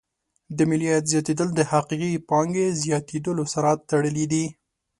د ملي عاید زیاتېدل د حقیقي پانګې زیاتیدلو سره تړلې دي.